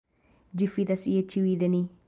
Ĝi fidas je ĉiuj de ni.